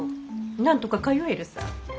なんとか通えるさ。